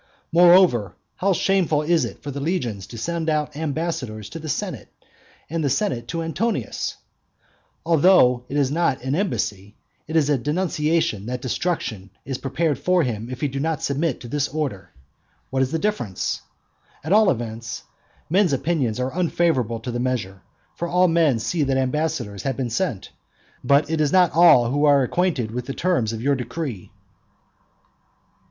Moreover, how shameful it is for the legions to send out ambassadors to the senate, and the senate to Antonius! Although that is not an embassy; it is a denunciation that destruction is prepared for him if he do not submit to this order. What is the difference? At all events, men's opinions are unfavourable to the measure; for all men see that ambassadors have been sent, but it is not all who are acquainted with the terms of your decree.